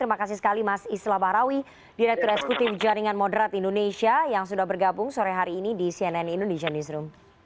dari mas isla bahrawi direktur eksekutif jaringan moderat indonesia yang sudah bergabung sore hari ini di cnn indonesia newsroom